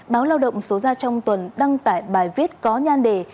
báo lao động số ra trong tuần đăng tải bài viết có nhan đề